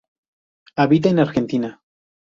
Habita en Argentina.